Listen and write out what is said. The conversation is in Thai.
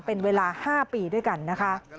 เป็นเวลา๕ปีด้วยกันนะคะ